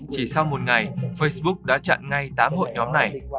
chỉ sau một ngày facebook đã chặn ngay tám hội nhóm này